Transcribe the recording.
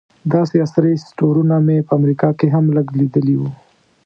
داسې عصري سټورونه مې په امریکا کې هم لږ لیدلي وو.